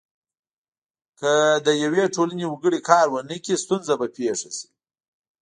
که د یوې ټولنې وګړي کار ونه کړي ستونزه به پیښه شي.